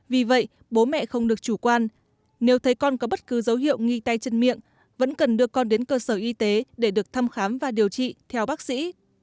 vì vậy bố mẹ không được chủ quan nếu thấy con có bất cứ dấu hiệu nghi tay chân miệng vẫn cần đưa con đến cơ sở y tế để được thăm khám và điều trị theo bác sĩ